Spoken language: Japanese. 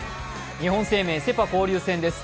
日本生命セ・パ交流戦です。